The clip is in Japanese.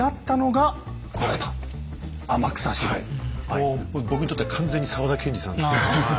もう僕にとっては完全に沢田研二さんですけど。